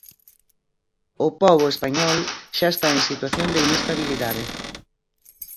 O pobo español xa está en situación de inestabilidade.